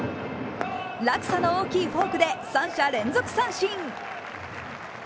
落差の大きいフォークで３者連続三振。